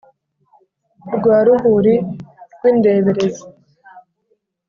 rwa ruhuri rw’ indeberezi